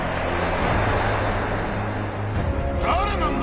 誰なんだ？